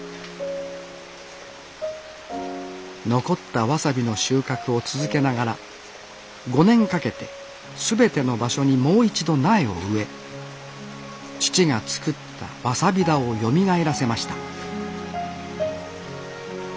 残ったわさびの収穫を続けながら５年かけて全ての場所にもう一度苗を植え父が作ったわさび田をよみがえらせました